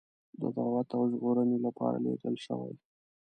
د دعوت او ژغورنې لپاره لېږل شوی.